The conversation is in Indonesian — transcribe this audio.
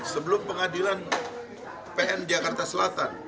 sebelum pengadilan pn jakarta selatan